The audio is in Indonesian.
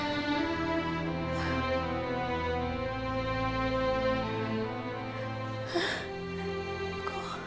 aku ada dimana